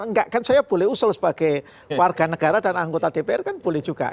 enggak kan saya boleh usul sebagai warga negara dan anggota dpr kan boleh juga